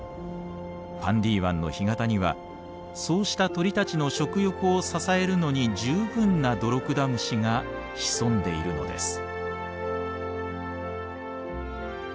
ファンディ湾の干潟にはそうした鳥たちの食欲を支えるのに十分なドロクダムシが潜んでいるのです。